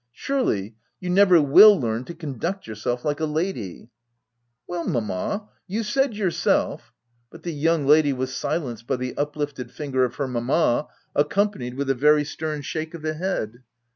" Surely, you never will learn to conduct yourself like a lady !"" Well mamma, you said, yourself—" But the young lady was silenced by the uplifted finger of her mamma, accompanied with a very stern shake of the head.